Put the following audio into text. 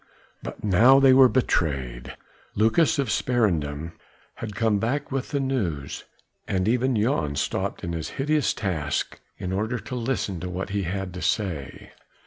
But now they were betrayed. Lucas of Sparendam had come back with the news, and even Jan stopped in his hideous task in order to listen to what he had to say.